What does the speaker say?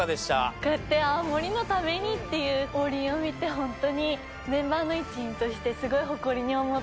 こうやって青森のためにっていう王林を見てホントにメンバーの一員としてすごい誇りに思った。